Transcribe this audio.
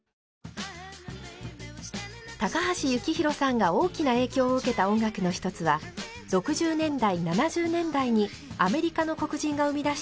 高橋幸宏さんが大きな影響を受けた音楽の一つは６０年代７０年代にアメリカの黒人が生み出したポップスです。